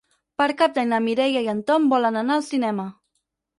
Per Cap d'Any na Mireia i en Tom volen anar al cinema.